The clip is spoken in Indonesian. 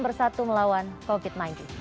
bersatu melawan covid sembilan belas